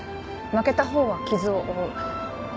負けた方は傷を負う。